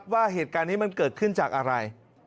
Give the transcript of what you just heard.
ว่าเหตุการณ์นี้มันเกิดขึ้นจากอะไร